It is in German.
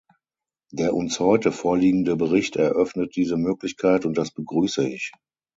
Der uns heute vorliegende Bericht eröffnet diese Möglichkeit, und das begrüße ich.